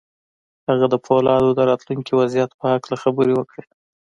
هغه د پولادو د راتلونکي وضعيت په هکله خبرې وکړې.